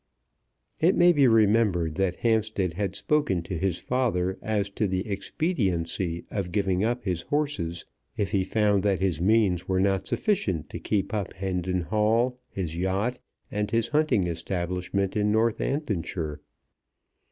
It may be remembered that Hampstead had spoken to his father as to the expediency of giving up his horses if he found that his means were not sufficient to keep up Hendon Hall, his yacht, and his hunting establishment in Northamptonshire.